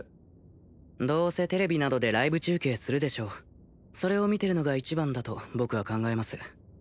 どうせテレビなどでライブ中継するでしょうそれを見てるのが一番だと僕は考えます